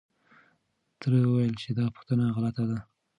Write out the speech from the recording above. تره وويل چې دا پوښتنه غلطه ده.